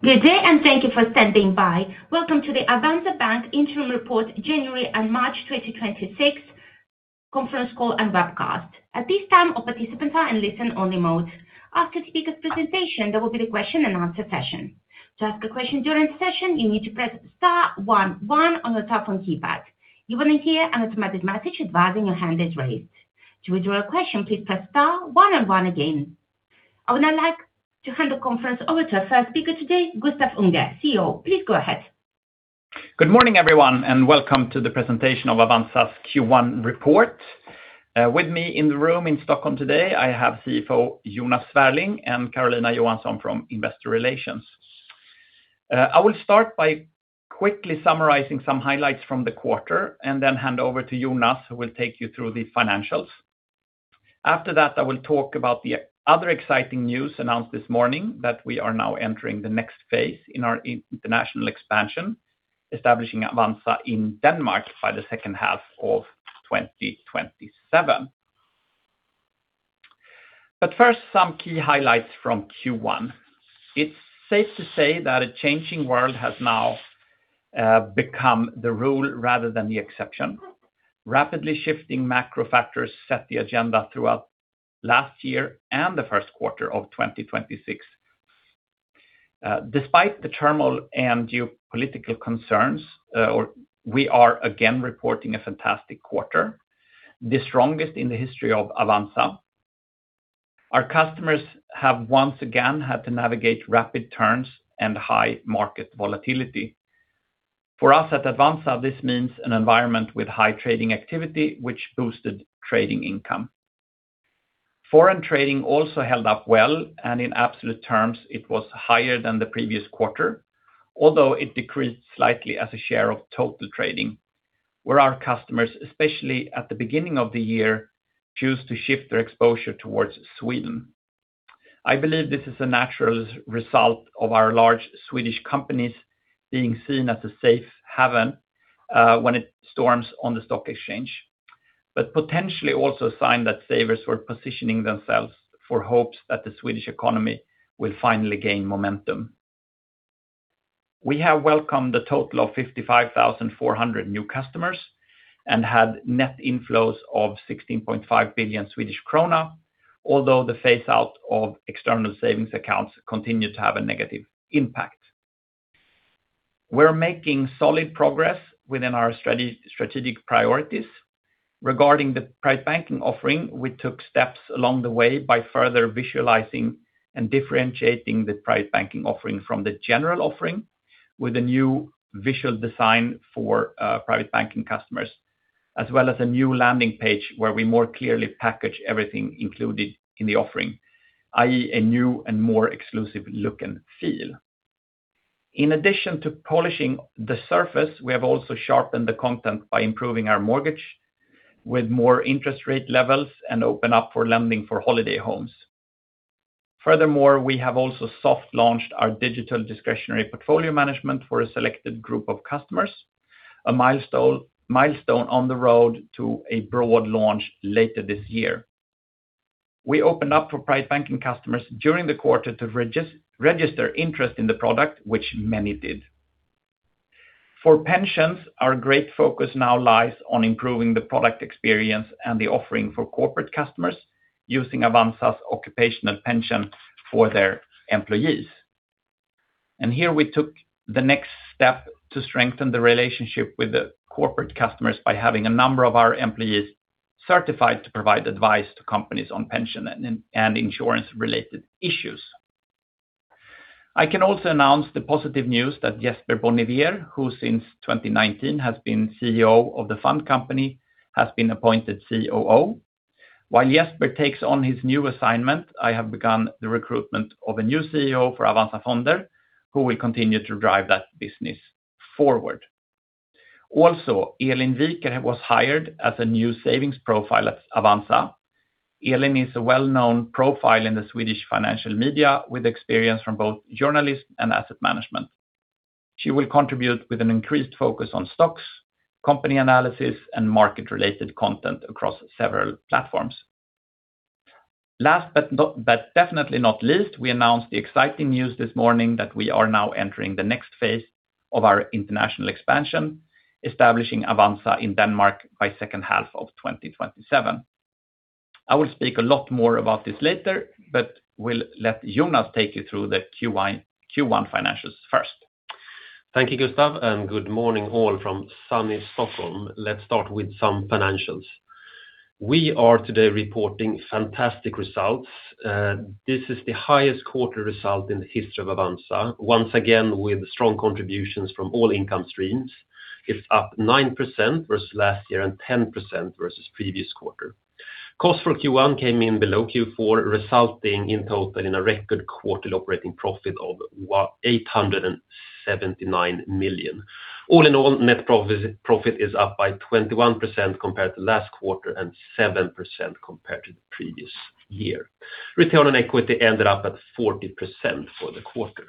Good day and thank you for standing by. Welcome to the Avanza Bank Interim Report January and March 2026 Conference Call and Webcast. At this time, all participants are in listen only mode. After the speaker's presentation, there will be the question-and-answer session. To ask a question during the session, you need to press star 1 1 on your telephone keypad. You will then hear an automatic message advising your hand is raised. To withdraw your question, please press star 1 and 1 again. I would now like to hand the conference over to our first speaker today, Gustaf Unger, CEO. Please go ahead. Good morning, everyone, and welcome to the presentation of Avanza's Q1 report. With me in the room in Stockholm today, I have CFO Jonas Svärling and Karolina Johansson from Investor Relations. I will start by quickly summarizing some highlights from the quarter and then hand over to Jonas, who will take you through the financials. After that, I will talk about the other exciting news announced this morning that we are now entering the next phase in our international expansion, establishing Avanza in Denmark by the second half of 2027. First, some key highlights from Q1. It's safe to say that a changing world has now become the rule rather than the exception. Rapidly shifting macro factors set the agenda throughout last year and the Q1 of 2026. Despite the turmoil and geopolitical concerns, we are again reporting a fantastic quarter, the strongest in the history of Avanza. Our customers have once again had to navigate rapid turns and high market volatility. For us at Avanza, this means an environment with high trading activity, which boosted trading income. Foreign trading also held up well, and in absolute terms, it was higher than the previous quarter, although it decreased slightly as a share of total trading, where our customers, especially at the beginning of the year, choose to shift their exposure towards Sweden. I believe this is a natural result of our large Swedish companies being seen as a safe haven when it storms on the stock exchange, but potentially also a sign that savers were positioning themselves for hopes that the Swedish economy will finally gain momentum. We have welcomed a total of 55,400 new customers and had net inflows of 6.5 billion Swedish krona. Although the phaseout of external savings accounts continued to have a negative impact. We're making solid progress within our strategic priorities. Regarding the Private Banking offering, we took steps along the way by further visualizing and differentiating the Private Banking offering from the general offering with a new visual design for Private Banking customers, as well as a new landing page where we more clearly package everything included in the offering, i.e. a new and more exclusive look and feel. In addition to polishing the surface, we have also sharpened the content by improving our mortgage with more interest rate levels and open up for lending for holiday homes. Furthermore, we have also soft launched our digital discretionary portfolio management for a selected group of customers, a milestone on the road to a broad launch later this year. We opened up for Private Banking customers during the quarter to register interest in the product, which many did. For pensions, our great focus now lies on improving the product experience and the offering for corporate customers using Avanza's occupational pension for their employees. Here we took the next step to strengthen the relationship with the corporate customers by having a number of our employees certified to provide advice to companies on pension and insurance related issues. I can also announce the positive news that Jesper Bonnivier, who since 2019 has been CEO of the fund company, has been appointed COO. While Jesper takes on his new assignment, I have begun the recruitment of a new CEO for Avanza Fonder who will continue to drive that business forward. Also, Elin Wiker was hired as a new savings profile at Avanza. Elin is a well-known profile in the Swedish financial media, with experience from both journalism and asset management. She will contribute with an increased focus on stocks, company analysis, and market related content across several platforms. Last but definitely not least, we announced the exciting news this morning that we are now entering the next phase of our international expansion, establishing Avanza in Denmark by second half of 2027. I will speak a lot more about this later, but will let Jonas take you through the Q1 financials first. Thank you, Gustaf, and good morning all from sunny Stockholm. Let's start with some financials. We are today reporting fantastic results. This is the highest quarter result in the history of Avanza. Once again, with strong contributions from all income streams. It's up 9% versus last year and 10% versus previous quarter. Costs for Q1 came in below Q4, resulting in total in a record quarter operating profit of 879 million. All in all, net profit is up by 21% compared to last quarter and 7% compared to the previous year. Return on equity ended up at 40% for the quarter.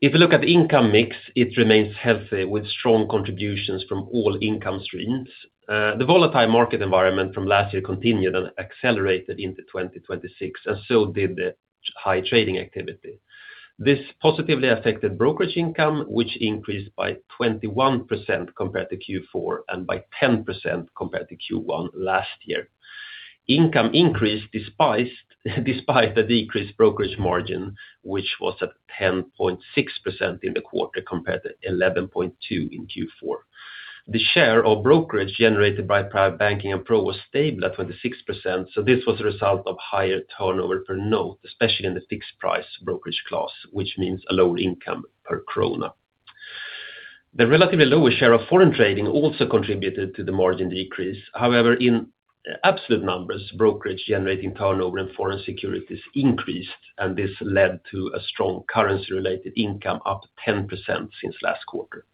If you look at income mix, it remains healthy with strong contributions from all income streams. The volatile market environment from last year continued and accelerated into 2026 and so did the high trading activity. This positively affected brokerage income, which increased by 21% compared to Q4 and by 110% compared to Q1 last year. Income increased despite the decreased brokerage margin, which was at 10.6% in the quarter compared to 11.2% in Q4. The share of brokerage generated by Private Banking and Pro was stable at 26%. This was a result of higher turnover per note, especially in the fixed price brokerage class, which means a lower income per krona. The relatively lower share of foreign trading also contributed to the margin decrease. However, in absolute numbers, brokerage generating turnover and foreign securities increased, and this led to a strong currency-related income, up 10% since last quarter.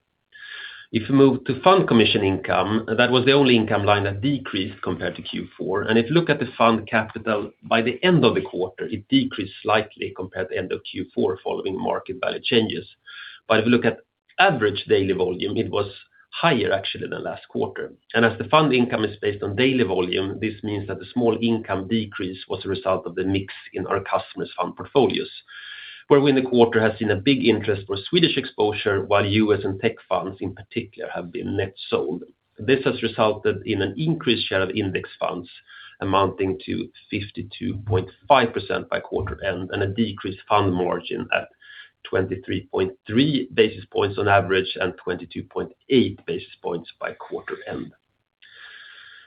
If you move to fund commission income, that was the only income line that decreased compared to Q4. If you look at the fund capital, by the end of the quarter, it decreased slightly compared to end of Q4 following market value changes. If you look at average daily volume, it was higher actually than last quarter. As the fund income is based on daily volume, this means that the small income decrease was a result of the mix in our customers' fund portfolios, where in the quarter has seen a big interest for Swedish exposure, while US and tech funds in particular have been net sold. This has resulted in an increased share of index funds amounting to 52.5% by quarter end and a decreased fund margin at 23.3 basis points on average and 22.8 basis points by quarter end.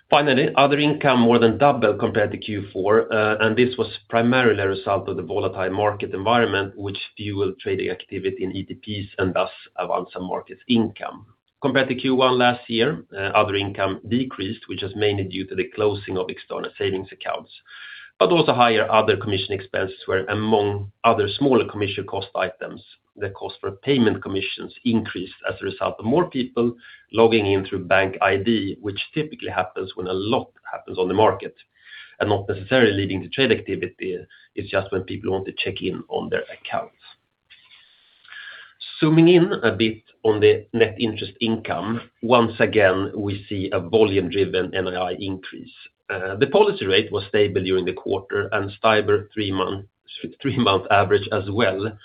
Finally, other income more than doubled compared to Q4. This was primarily a result of the volatile market environment, which fueled trading activity in ETPs and thus advanced some market income. Compared to Q1 last year, other income decreased, which is mainly due to the closing of external savings accounts. Also higher other commission expenses were among other smaller commission cost items. The cost for payment commissions increased as a result of more people logging in through BankID, which typically happens when a lot happens on the market and not necessarily leading to trade activity. It's just when people want to check in on their accounts. Zooming in a bit on the net interest income, once again, we see a volume-driven NII increase. The policy rate was stable during the quarter and STIBOR three-month average as well.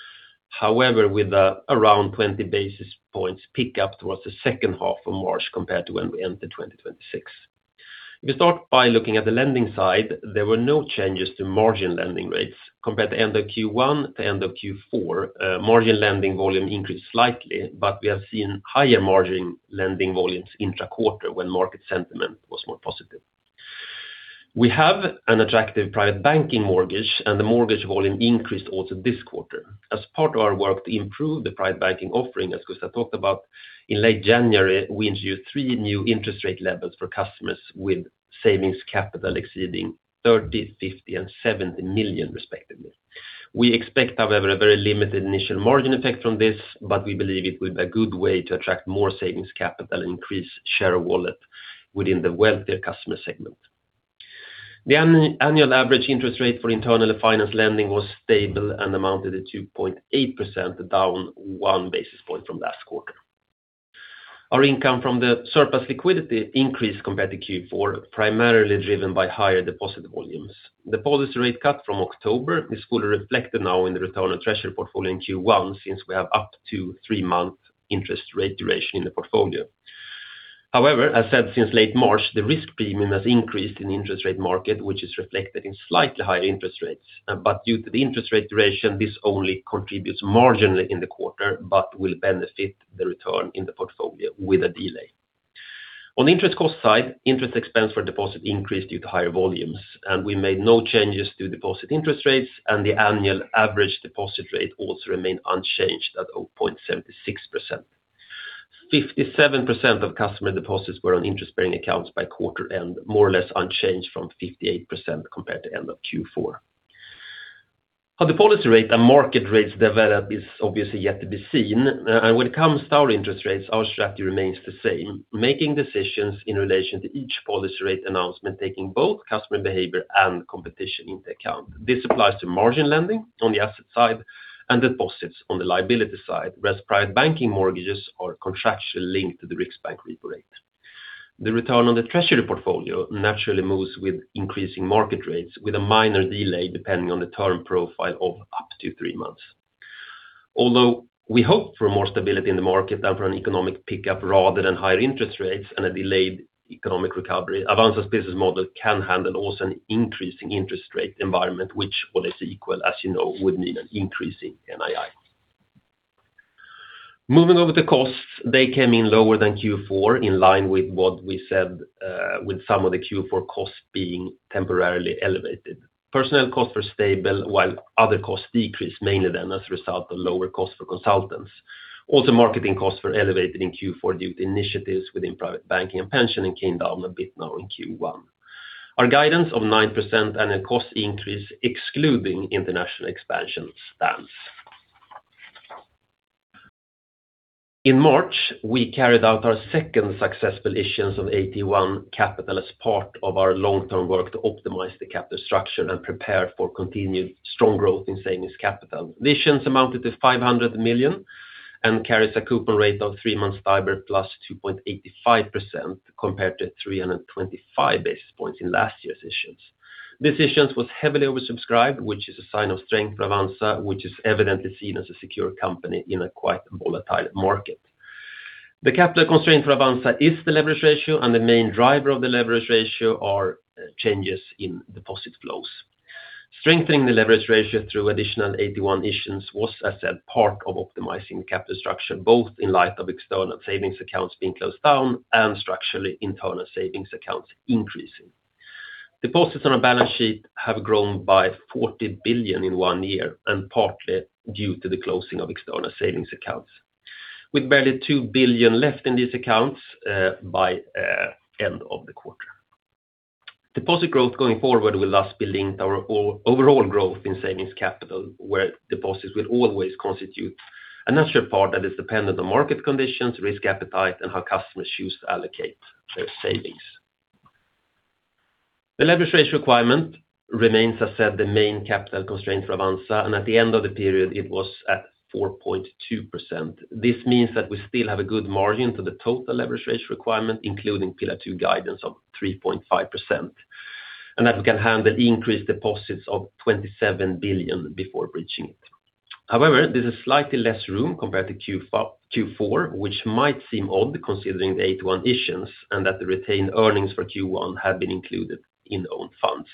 However, with around 20 basis points pick up towards the second half of March compared to when we entered 2026. If you start by looking at the lending side, there were no changes to margin lending rates compared to end of Q1 to end of Q4. Margin lending volume increased slightly, but we have seen higher margin lending volumes intra-quarter when market sentiment was more positive. We have an attractive Private Banking mortgage, and the mortgage volume increased also this quarter. As part of our work to improve the Private Banking offering, as Gustaf talked about, in late January, we introduced three new interest rate levels for customers with savings capital exceeding 30 million, 50 million, and 70 million respectively. We expect, however, a very limited initial margin effect from this, but we believe it would be a good way to attract more savings capital and increase share of wallet within the wealthier customer segment. The annual average interest rate for internal finance lending was stable and amounted to 2.8%, down one basis point from last quarter. Our income from the surplus liquidity increased compared to Q4, primarily driven by higher deposit volumes. The policy rate cut from October is fully reflected now in the return on treasury portfolio in Q1, since we have up to three-month interest rate duration in the portfolio. However, as said since late March, the risk premium has increased in the interest rate market, which is reflected in slightly higher interest rates. Due to the interest rate duration, this only contributes marginally in the quarter but will benefit the return in the portfolio with a delay. On the interest cost side, interest expense for deposits increased due to higher volumes, and we made no changes to deposit interest rates, and the annual average deposit rate also remained unchanged at 0.76%. 57% of customer deposits were on interest-bearing accounts by quarter end, more or less unchanged from 58% compared to end of Q4. How the policy rate and market rates develop is obviously yet to be seen, and when it comes to our interest rates, our strategy remains the same, making decisions in relation to each policy rate announcement, taking both customer behavior and competition into account. This applies to margin lending on the asset side and deposits on the liability side, whereas Private Banking mortgages are contractually linked to the Riksbank repo rate. The return on the treasury portfolio naturally moves with increasing market rates with a minor delay, depending on the term profile of up to three months. Although we hope for more stability in the market and for an economic pickup rather than higher interest rates and a delayed economic recovery, Avanza's business model can handle also an increasing interest rate environment, which all else equal, as you know, would mean an increase in NII. Moving over to costs, they came in lower than Q4, in line with what we said with some of the Q4 costs being temporarily elevated. Personnel costs were stable while other costs decreased, mainly then as a result of lower costs for consultants. Also, marketing costs were elevated in Q4 due to initiatives within Private Banking and pension and came down a bit now in Q1. Our guidance of 9% and a cost increase excluding international expansion stands. In March, we carried out our second successful issuance of AT1 capital as part of our long-term work to optimize the capital structure and prepare for continued strong growth in savings capital. The issuance amounted to 500 million and carries a coupon rate of three months IBOR plus 2.85% compared to 325 basis points in last year's issuance. This issuance was heavily oversubscribed, which is a sign of strength for Avanza, which is evidently seen as a secure company in a quite volatile market. The capital constraint for Avanza is the leverage ratio, and the main driver of the leverage ratio are changes in deposit flows. Strengthening the leverage ratio through additional AT1 issuance was, as said, part of optimizing capital structure, both in light of external savings accounts being closed down and structurally internal savings accounts increasing. Deposits on our balance sheet have grown by 40 billion in one year and partly due to the closing of external savings accounts, with barely 2 billion left in these accounts by end of the quarter. Deposit growth going forward will thus be linked to our overall growth in savings capital, where deposits will always constitute a natural part that is dependent on market conditions, risk appetite, and how customers choose to allocate their savings. The leverage ratio requirement remains, as said, the main capital constraint for Avanza, and at the end of the period it was at 4.2%. This means that we still have a good margin to the total leverage ratio requirement, including Pillar 2 guidance of 3.5%, and that we can handle increased deposits of 27 billion before breaching it. However, there's slightly less room compared to Q4, which might seem odd considering the AT1 issuance and that the retained earnings for Q1 have been included in own funds.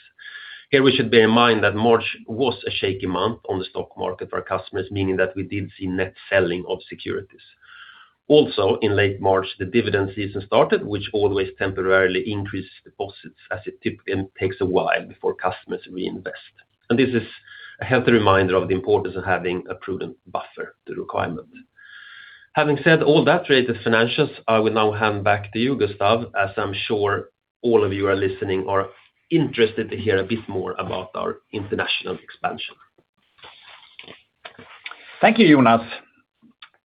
Here we should bear in mind that March was a shaky month on the stock market for our customers, meaning that we did see net selling of securities. Also in late March, the dividend season started, which always temporarily increases deposits as it typically takes a while before customers reinvest. This is a healthy reminder of the importance of having a prudent buffer to requirement. Having said all that related to financials, I will now hand back to you, Gustaf, as I'm sure all of you are listening are interested to hear a bit more about our international expansion. Thank you, Jonas.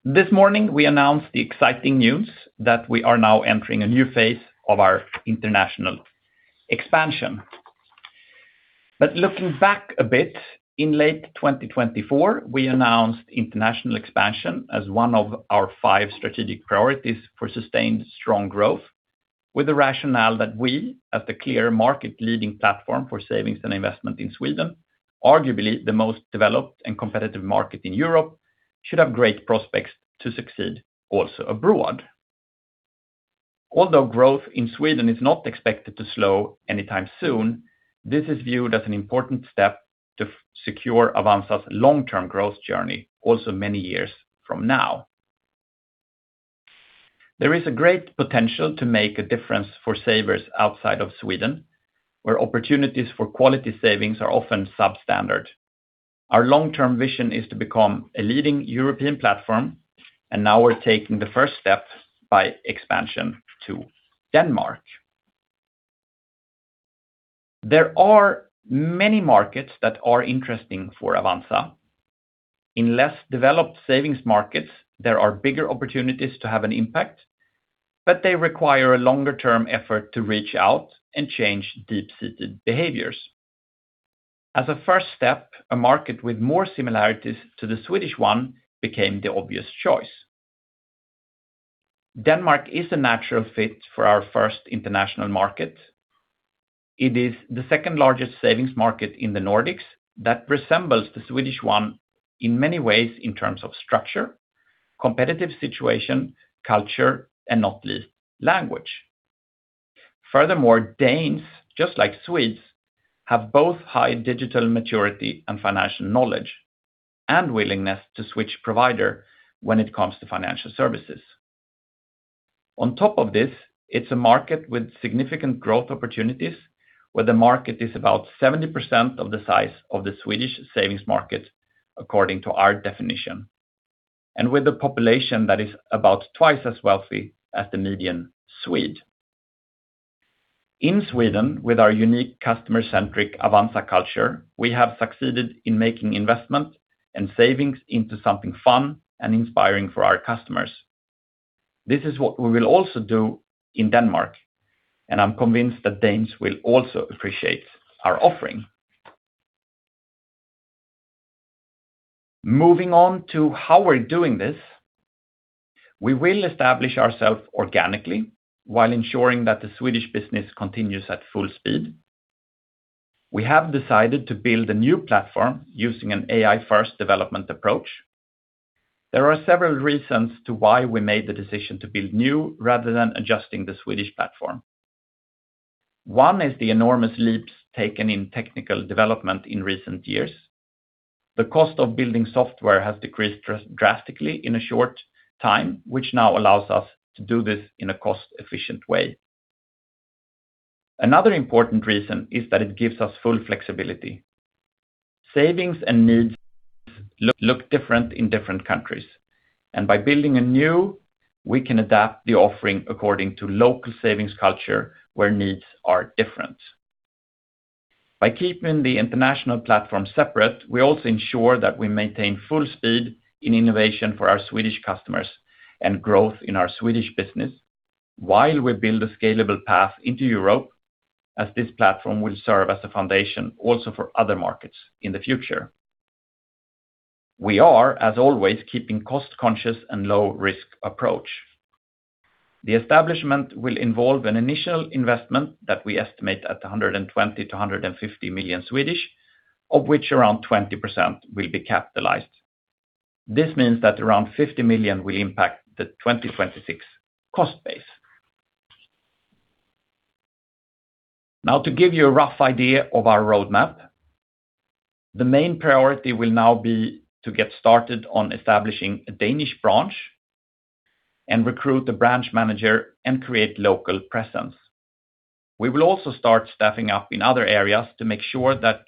This morning we announced the exciting news that we are now entering a new phase of our international expansion. Looking back a bit, in late 2024, we announced international expansion as one of our five strategic priorities for sustained strong growth with the rationale that we, as the clear market leading platform for savings and investment in Sweden, arguably the most developed and competitive market in Europe, should have great prospects to succeed also abroad. Although growth in Sweden is not expected to slow anytime soon, this is viewed as an important step to secure Avanza's long-term growth journey also many years from now. There is a great potential to make a difference for savers outside of Sweden, where opportunities for quality savings are often substandard. Our long-term vision is to become a leading European platform, and now we're taking the first step by expansion to Denmark. There are many markets that are interesting for Avanza. In less developed savings markets, there are bigger opportunities to have an impact, but they require a longer term effort to reach out and change deep-seated behaviors. As a first step, a market with more similarities to the Swedish one became the obvious choice. Denmark is a natural fit for our first international market. It is the second largest savings market in the Nordics that resembles the Swedish one in many ways in terms of structure, competitive situation, culture and not least language. Furthermore, Danes, just like Swedes, have both high digital maturity and financial knowledge and willingness to switch provider when it comes to financial services. On top of this, it's a market with significant growth opportunities, where the market is about 70% of the size of the Swedish savings market, according to our definition, and with a population that is about twice as wealthy as the median Swede. In Sweden, with our unique customer-centric Avanza culture, we have succeeded in making investment and savings into something fun and inspiring for our customers. This is what we will also do in Denmark, and I'm convinced that Danes will also appreciate our offering. Moving on to how we're doing this. We will establish ourselves organically while ensuring that the Swedish business continues at full speed. We have decided to build a new platform using an AI-first development approach. There are several reasons why we made the decision to build new rather than adjusting the Swedish platform. One is the enormous leaps taken in technical development in recent years. The cost of building software has decreased drastically in a short time, which now allows us to do this in a cost-efficient way. Another important reason is that it gives us full flexibility. Savings and needs look different in different countries, and by building anew, we can adapt the offering according to local savings culture where needs are different. By keeping the international platform separate, we also ensure that we maintain full speed in innovation for our Swedish customers and growth in our Swedish business while we build a scalable path into Europe, as this platform will serve as a foundation also for other markets in the future. We are, as always, keeping a cost-conscious and low-risk approach. The establishment will involve an initial investment that we estimate at 120 million-150 million, of which around 20% will be capitalized. This means that around 50 million will impact the 2026 cost base. Now to give you a rough idea of our roadmap. The main priority will now be to get started on establishing a Danish branch and recruit a branch manager and create local presence. We will also start staffing up in other areas to make sure that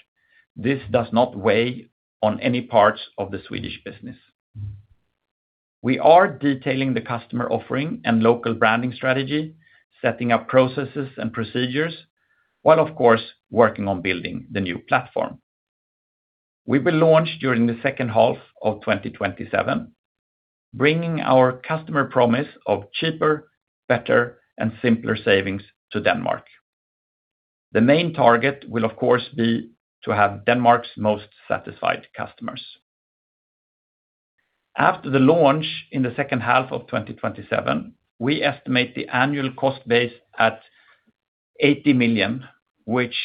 this does not weigh on any parts of the Swedish business. We are detailing the customer offering and local branding strategy, setting up processes and procedures while of course, working on building the new platform. We will launch during the second half of 2027, bringing our customer promise of cheaper, better, and simpler savings to Denmark. The main target will of course be to have Denmark's most satisfied customers. After the launch in the second half of 2027, we estimate the annual cost base at 80 million, which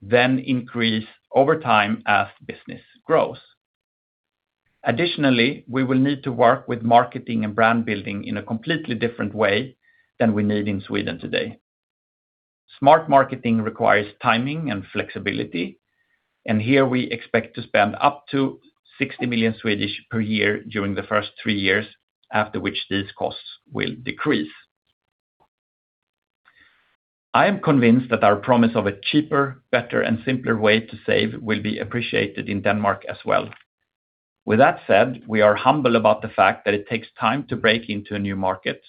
then increase over time as business grows. Additionally, we will need to work with marketing and brand building in a completely different way than we need in Sweden today. Smart marketing requires timing and flexibility, and here we expect to spend up to 60 million per year during the first three years, after which these costs will decrease. I am convinced that our promise of a cheaper, better, and simpler way to save will be appreciated in Denmark as well. With that said, we are humble about the fact that it takes time to break into a new market.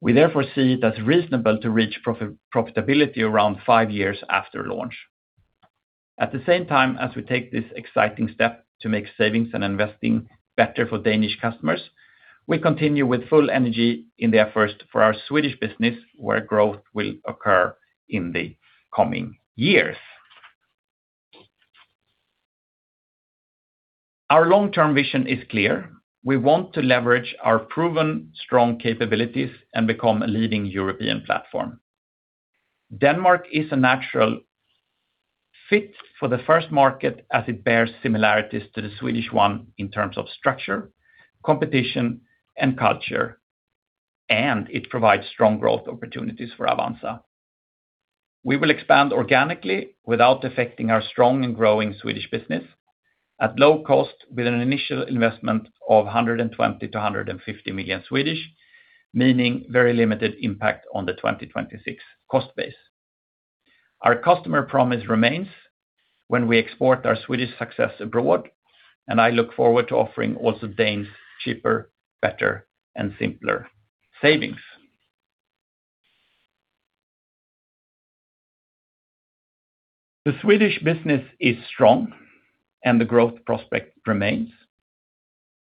We therefore see it as reasonable to reach profitability around five years after launch. At the same time as we take this exciting step to make savings and investing better for Danish customers, we continue with full energy in the efforts for our Swedish business, where growth will occur in the coming years. Our long-term vision is clear. We want to leverage our proven strong capabilities and become a leading European platform. Denmark is a natural fit for the first market as it bears similarities to the Swedish one in terms of structure, competition, and culture, and it provides strong growth opportunities for Avanza. We will expand organically without affecting our strong and growing Swedish business at low cost with an initial investment of 120 million-150 million, meaning very limited impact on the 2026 cost base. Our customer promise remains when we export our Swedish success abroad, and I look forward to offering also Danes cheaper, better, and simpler savings. The Swedish business is strong and the growth prospect remains.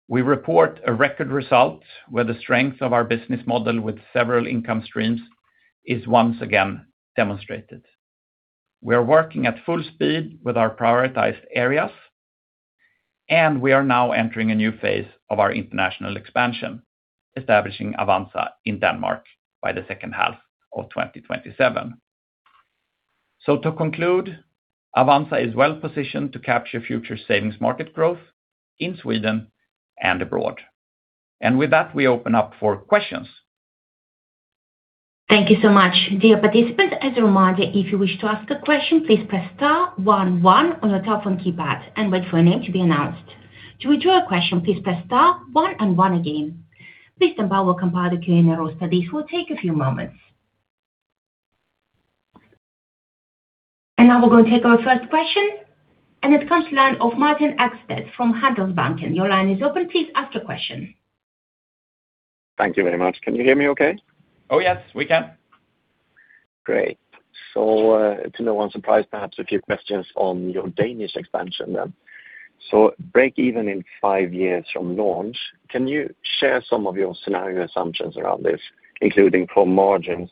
We report a record result where the strength of our business model with several income streams is once again demonstrated. We are working at full speed with our prioritized areas, and we are now entering a new phase of our international expansion, establishing Avanza in Denmark by the second half of 2027. To conclude, Avanza is well-positioned to capture future savings market growth in Sweden and abroad. With that, we open up for questions. Thank you so much. Dear participants, as a reminder, if you wish to ask a question, please press star 1 1 on your telephone keypad and wait for your name to be announced. To withdraw a question, please press star 1 and 1 again. Please stand by while we compile the Q&A roster. This will take a few moments. Now we're going to take our first question, and it comes from the line of Martin Ekstedt from Handelsbanken. Your line is open. Please ask your question. Thank you very much. Can you hear me okay? Oh, yes. We can. Great. To no one's surprise, perhaps a few questions on your Danish expansion then. Break even in 5 years from launch. Can you share some of your scenario assumptions around this, including for margins?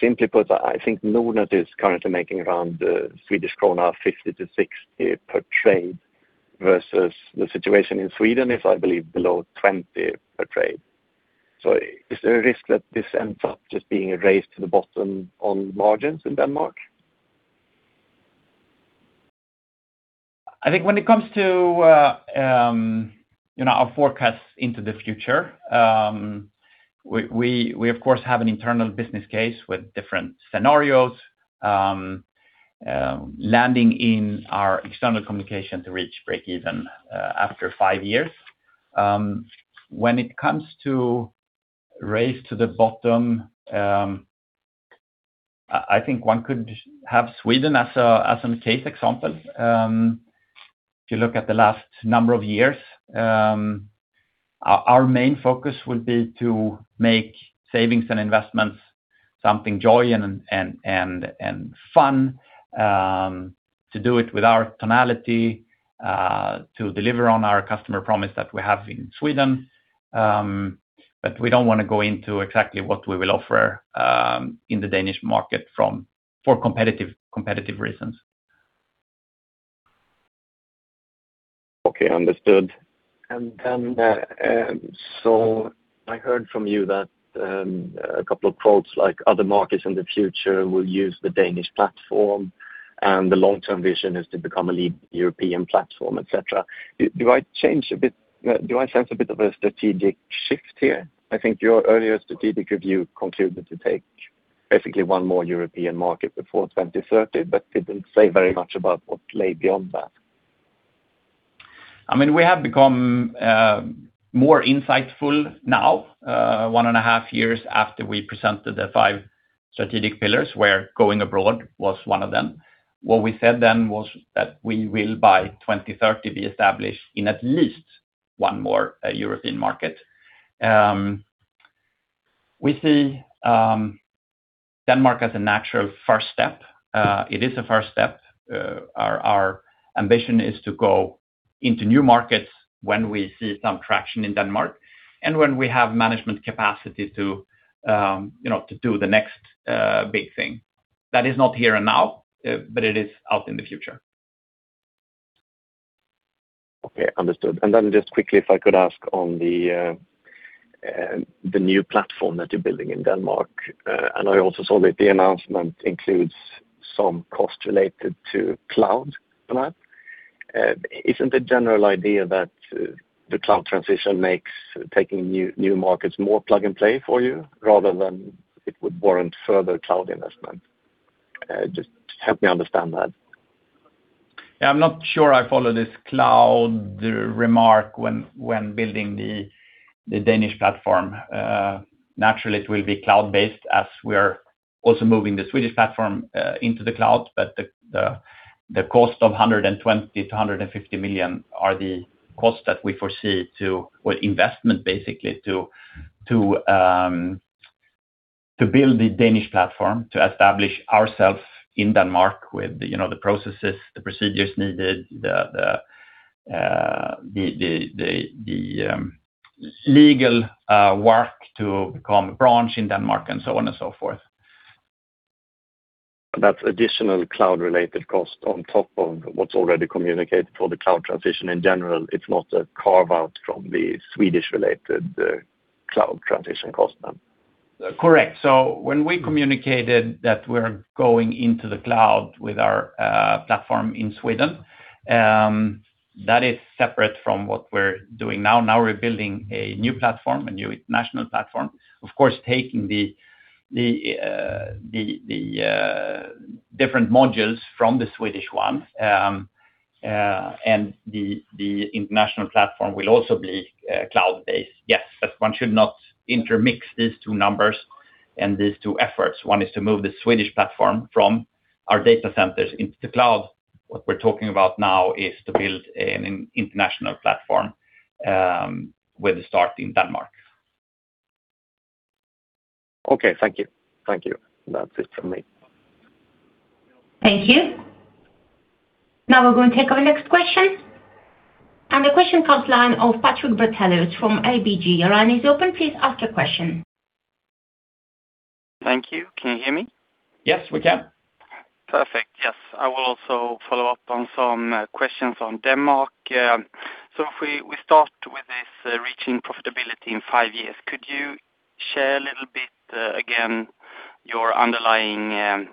Simply put, I think Nordnet is currently making around 50-60 Swedish krona per trade versus the situation in Sweden is, I believe, below 20 per trade. Is there a risk that this ends up just being a race to the bottom on margins in Denmark? I think when it comes to our forecasts into the future, we of course have an internal business case with different scenarios, landing in our external communication to reach break-even after five years. When it comes to race to the bottom, I think one could have Sweden as a case example. If you look at the last number of years, our main focus will be to make savings and investments something joyful and fun, to do it with our tonality, to deliver on our customer promise that we have in Sweden. We don't want to go into exactly what we will offer in the Danish market for competitive reasons. Okay, understood. I heard from you that a couple of quotes, like other markets in the future will use the Danish platform, and the long-term vision is to become a lead European platform, et cetera. Do I sense a bit of a strategic shift here? I think your earlier strategic review concluded to take basically one more European market before 2030, but didn't say very much about what lay beyond that. We have become more insightful now, one and a half years after we presented the five strategic pillars, where going abroad was one of them. What we said then was that we will, by 2030, be established in at least one more European market. We see Denmark as a natural first step. It is a first step. Our ambition is to go into new markets when we see some traction in Denmark and when we have management capacity to do the next big thing. That is not here and now, but it is out in the future. Okay, understood. Then, just quickly, if I could ask on the new platform that you're building in Denmark. I also saw that the announcement includes some cost related to cloud, am I right? Isn't the general idea that the cloud transition makes taking new markets more plug and play for you rather than it would warrant further cloud investment? Just help me understand that. Yeah, I'm not sure I follow this cloud remark when building the Danish platform. Naturally, it will be cloud-based as we are also moving the Swedish platform into the cloud. The cost of 120 million-150 million are the costs that we foresee to, well, investment basically, to build the Danish platform to establish ourselves in Denmark with the processes, the procedures needed, the legal work to become a branch in Denmark and so on and so forth. That's additional cloud-related cost on top of what's already communicated for the cloud transition in general. It's not a carve-out from the Swedish-related cloud transition cost then. Correct. When we communicated that we're going into the cloud with our platform in Sweden, that is separate from what we're doing now. Now we're building a new platform, a new international platform. Of course, taking the different modules from the Swedish one, and the international platform will also be cloud-based, yes. But one should not intermix these two numbers and these two efforts. One is to move the Swedish platform from our data centers into the cloud. What we're talking about now is to build an international platform with the start in Denmark. Okay, thank you. That's it from me. Thank you. Now we're going to take our next question. The question comes from the line of Patrik Brattelius from ABG Sundal Collier. Your line is open. Please ask your question. Thank you. Can you hear me? Yes, we can. Perfect. Yes. I will also follow up on some questions on Denmark. If we start with this reaching profitability in five years, could you share a little bit, again, your underlying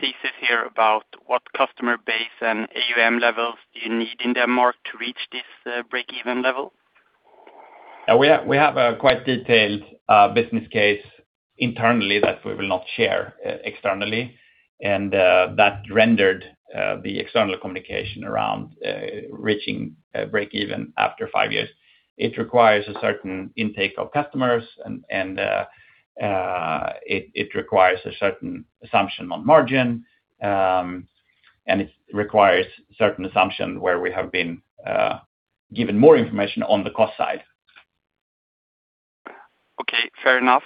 thesis here about what customer base and AUM levels do you need in Denmark to reach this break-even level? We have a quite detailed business case internally that we will not share externally, and that rendered the external communication around reaching break-even after 5 years. It requires a certain intake of customers, and it requires a certain assumption on margin, and it requires certain assumption where we have been given more information on the cost side. Okay, fair enough.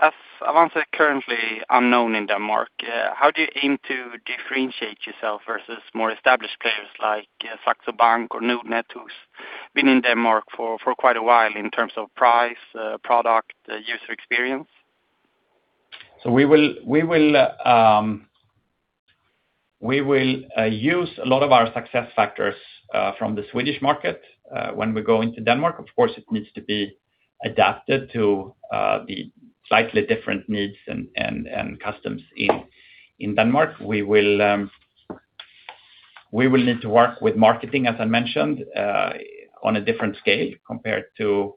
As Avanza is currently unknown in Denmark, how do you aim to differentiate yourself versus more established players like Saxo Bank or Nordnet, who's been in Denmark for quite a while in terms of price, product, user experience? We will use a lot of our success factors from the Swedish market when we go into Denmark. Of course, it needs to be adapted to the slightly different needs and customs in Denmark. We will need to work with marketing, as I mentioned on a different scale compared to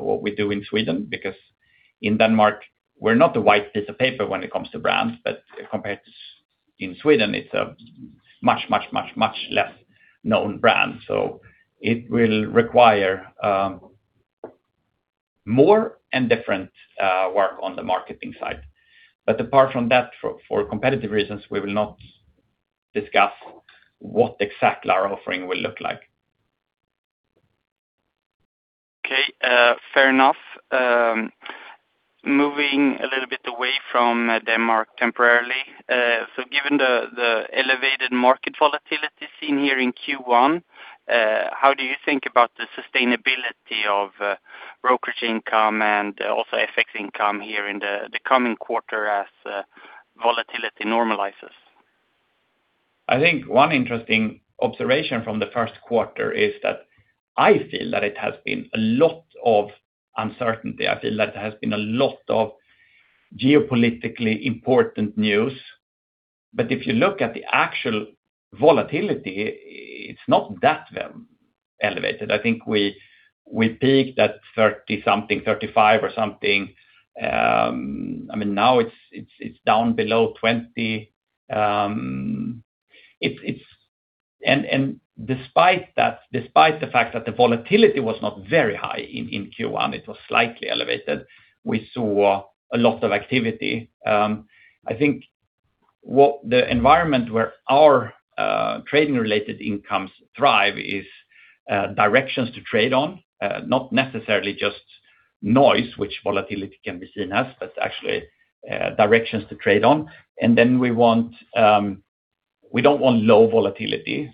what we do in Sweden, because in Denmark, we're not a white piece of paper when it comes to brands. Compared to in Sweden, it's a much, much, much, much less known brand. It will require more and different work on the marketing side. Apart from that, for competitive reasons, we will not discuss what exactly our offering will look like. Okay. Fair enough. Moving a little bit away from Denmark temporarily. Given the elevated market volatility seen here in Q1, how do you think about the sustainability of brokerage income and also FX income here in the coming quarter as volatility normalizes? I think one interesting observation from the Q1 is that I feel that it has been a lot of uncertainty. I feel that there has been a lot of geopolitically important news, but if you look at the actual volatility, it's not that elevated. I think we peaked at 30-something, 35 or something. Now it's down below 20. Despite the fact that the volatility was not very high in Q1, it was slightly elevated. We saw a lot of activity. I think the environment where our trading related incomes thrive is directions to trade on. Not necessarily just noise, which volatility can be seen as, but actually directions to trade on. We don't want low volatility.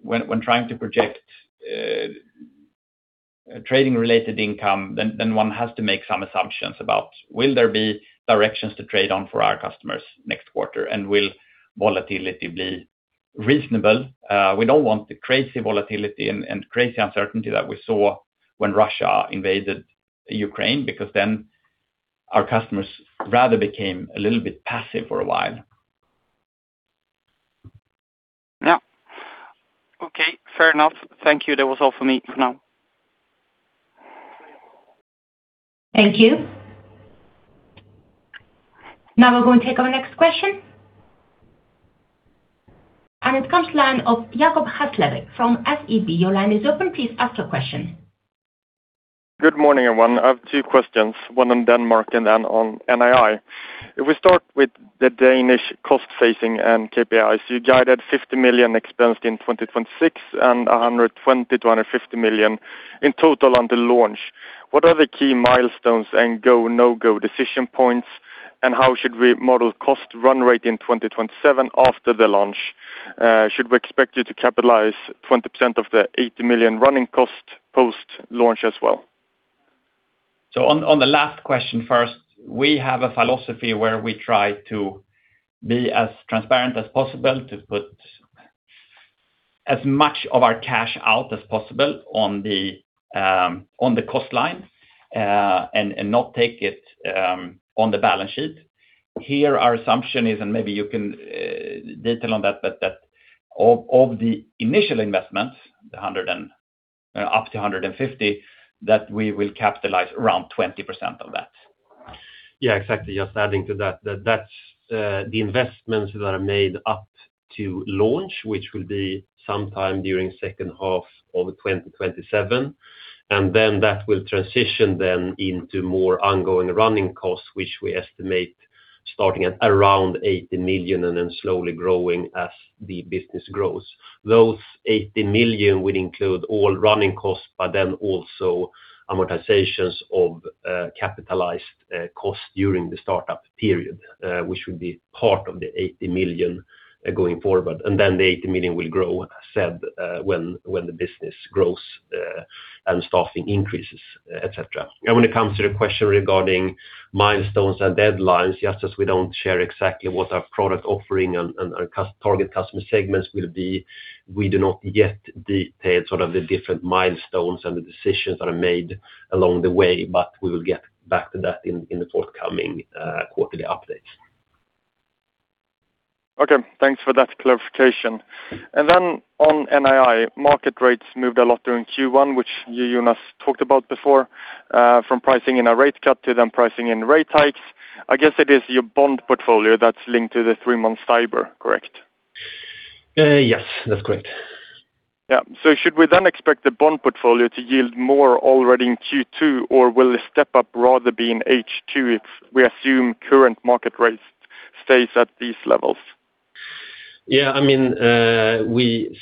When trying to project trading related income, then one has to make some assumptions about will there be directions to trade on for our customers next quarter, and will volatility be reasonable. We don't want the crazy volatility and crazy uncertainty that we saw when Russia invaded Ukraine, because then our customers rather became a little bit passive for a while. Yeah. Okay, fair enough. Thank you. That was all for me for now. Thank you. Now we'll go and take our next question. It comes from the line of Jacob Hesslevik from SEB. Your line is open. Please ask your question. Good morning, everyone. I have two questions, one on Denmark and then on NII. If we start with the Danish cost saving and KPIs, you guided 50 million expense in 2026 and 120 million-150 million in total on the launch. What are the key milestones and go, no-go decision points, and how should we model cost run rate in 2027 after the launch? Should we expect you to capitalize 20% of the 80 million running cost post-launch as well? On the last question first, we have a philosophy where we try to be as transparent as possible to put as much of our cash out as possible on the cost lines and not take it on the balance sheet. Here our assumption is, and maybe you can detail on that, but that of the initial investments up to 150, that we will capitalize around 20% of that. Yeah, exactly. Just adding to that's the investments that are made up to launch, which will be sometime during second half of 2027, and then that will transition them into more ongoing running costs, which we estimate starting at around 80 million and then slowly growing as the business grows. Those 80 million would include all running costs, but then also amortizations of capitalized costs during the startup period, which would be part of the 80 million going forward. Then the 80 million will grow as said when the business grows and staffing increases, et cetera. When it comes to the question regarding milestones and deadlines, just as we don't share exactly what our product offering and our target customer segments will be, we do not yet detail sort of the different milestones and the decisions that are made along the way, but we will get back to that in the forthcoming quarterly updates. Okay, thanks for that clarification. On NII, market rates moved a lot during Q1, which you, Jonas, talked about before, from pricing in a rate cut to then pricing in rate hikes. I guess it is your bond portfolio that's linked to the three months STIBOR, correct? Yes, that's correct. Yeah. Should we then expect the bond portfolio to yield more already in Q2 or will the step up rather be in H2 if we assume current market rates stay at these levels? Yeah,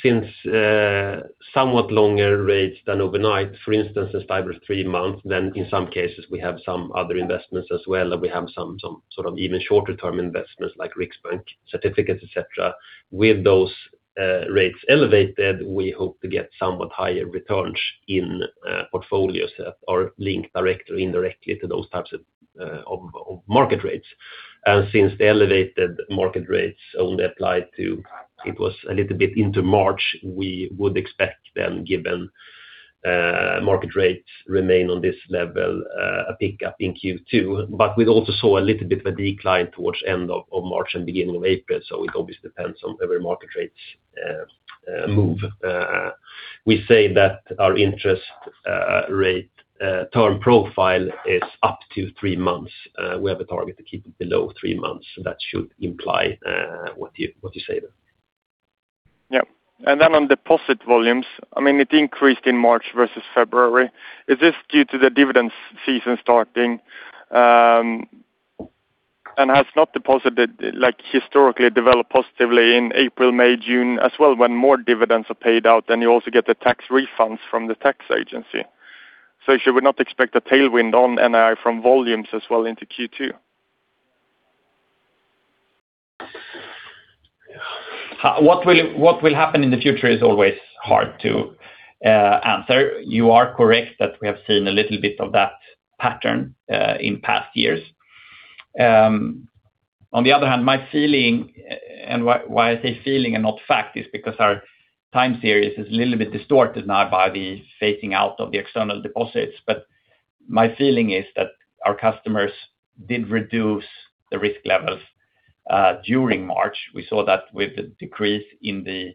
since somewhat longer rates than overnight, for instance, this STIBOR three months, then in some cases we have some other investments as well and we have some sort of even shorter term investments like Riksbank Certificates, etc. With those rates elevated, we hope to get somewhat higher returns in portfolios that are linked directly or indirectly to those types of market rates. Since the elevated market rates only applied to, it was a little bit into March, we would expect them, given market rates remain on this level, a pick up in Q2. We also saw a little bit of a decline towards end of March and beginning of April. It obviously depends on where market rates move. We say that our interest rate term profile is up to three months. We have a target to keep it below three months. That should imply what you say then. Yeah. Then on deposit volumes, it increased in March versus February. Is this due to the dividends season starting? Have deposits historically developed positively in April, May, June as well, when more dividends are paid out and you also get the tax refunds from the tax agency? Should we not expect a tailwind on NII from volumes as well into Q2? What will happen in the future is always hard to answer. You are correct that we have seen a little bit of that pattern in past years. On the other hand, my feeling and why I say feeling and not fact is because our time series is a little bit distorted now by the phasing out of the external deposits. My feeling is that our customers did reduce the risk levels during March. We saw that with the decrease in the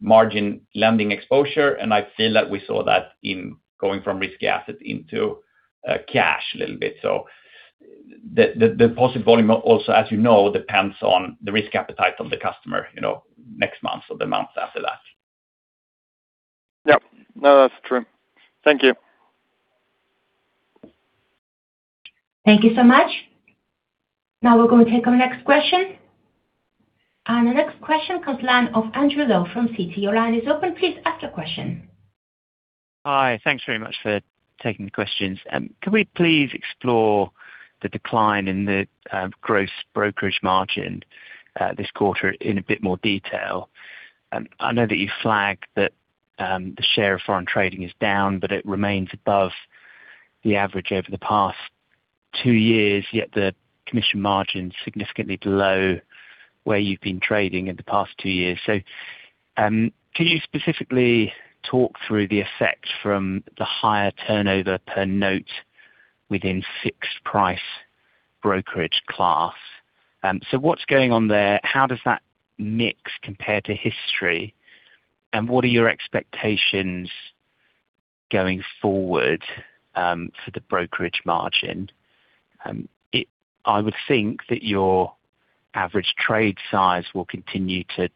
margin lending exposure, and I feel that we saw that in going from risky assets into cash a little bit. The deposit volume also, as you know, depends on the risk appetite on the customer next month or the month after that. Yep. No, that's true. Thank you. Thank you so much. Now we're going to take our next question. The next question comes from the line of Andrew Lowe from Citi. Your line is open. Please ask your question. Hi. Thanks very much for taking the questions. Can we please explore the decline in the gross brokerage margin this quarter in a bit more detail? I know that you flagged that the share of foreign trading is down, but it remains above the average over the past two years, yet the commission margin's significantly below where you've been trading in the past two years. Can you specifically talk through the effect from the higher turnover per note within fixed price brokerage class? What's going on there? How does that mix compare to history? And what are your expectations going forward for the brokerage margin? I would think that your average trade size will continue to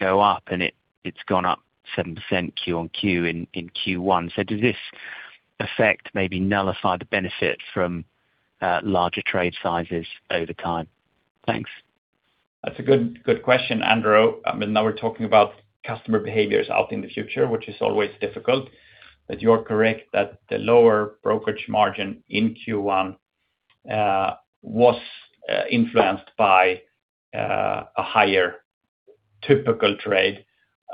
go up, and it's gone up 7% quarter-over-quarter in Q1. Does this effect maybe nullify the benefit from larger trade sizes over time? Thanks. That's a good question, Andrew. Now we're talking about customer behaviors out in the future, which is always difficult. You're correct that the lower brokerage margin in Q1 was influenced by a higher typical trade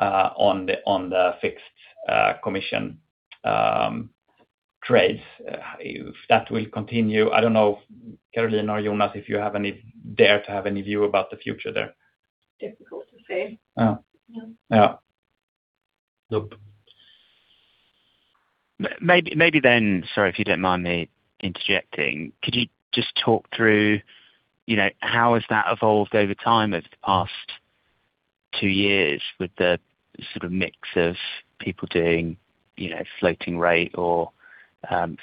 on the fixed commission trades. If that will continue, I don't know, Karolina or Jonas, if you dare to have any view about the future there. Difficult to say. Maybe then, sorry if you don't mind me interjecting, could you just talk through how has that evolved over time over the past two years with the sort of mix of people doing floating rate or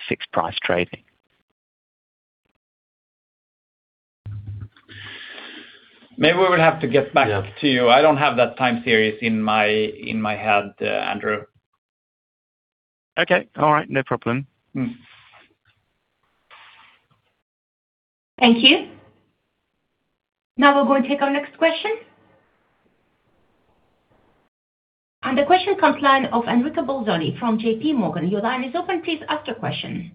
fixed price trading? Maybe we would have to get back to you. I don't have that time series in my head, Andrew. Okay. All right. No problem. Thank you. Now we're going to take our next question. The question comes from the line of Enrico Bolzoni from JPMorgan. Your line is open. Please ask your question.